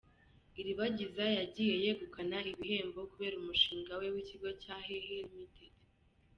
Iribagiza yagiye yegukana ibihembo kubera umushinga we w'ikigo cya HeHe Limited.